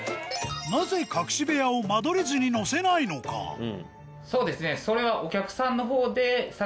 なぜ隠し部屋を間取り図に載せないのかそうですねそれは。